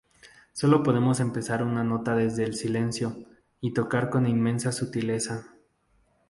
Sólo podemos empezar una nota desde el silencio, y tocar con inmensa sutileza.